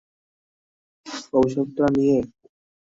অভিশাপ টা নিয়ে?